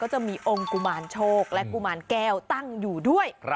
จะมีองค์กุมารโชคและกุมารแก้วตั้งอยู่ด้วย